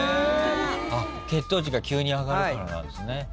血糖値が急に上がるからなんですね。